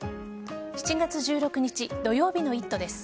７月１６日土曜日の「イット！」です。